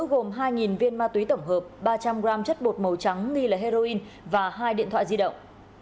gồm hai viên ma túy tổng hợp ba trăm linh g chất bột màu trắng nghi là heroin và hai điện thoại di động